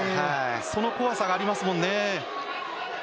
その怖さがありますもんね。